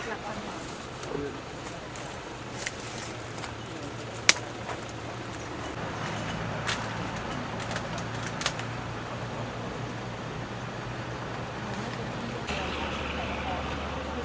จริงหรือก็ไม่โอเค